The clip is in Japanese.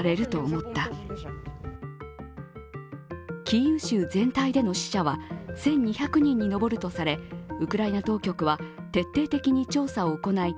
キーウ州全体での死者は１２００人に上るとされ、ウクライナ当局は、徹底的に調査を行い、